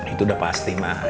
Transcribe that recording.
itu udah pasti ma